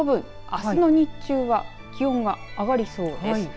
その分、あすの日中は気温が上がりそうです。